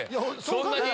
そんなに⁉